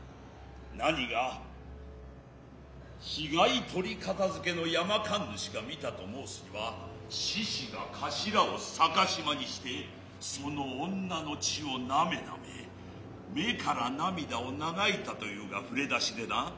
何が死骸取片づけの山神主が見たと申すには獅子が頭を逆にして其の婦の血を舐め舐め目から涙を流いたと云ふが触出しでな。